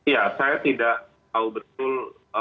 ya saya tidak tahu betul